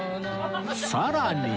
さらに